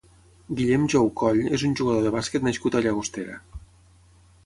Guillem Jou Coll és un jugador de bàsquet nascut a Llagostera.